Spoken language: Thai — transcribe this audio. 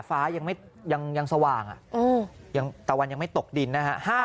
ฟ้ายังสว่างตะวันยังไม่ตกดินนะฮะ